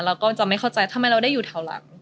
เราก็จะไม่เข้าใจทำไมเราได้อยู่แถวหลัง